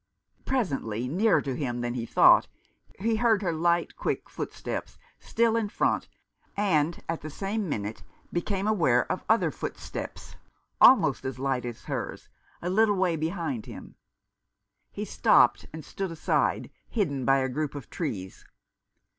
Presently, nearer to him than he thought, he heard her light, quick footsteps, still in front, and at the same minute became aware of other foot steps, almost as light as hers, a little way behind him. He stopped, and stood aside, hidden by a group of trees.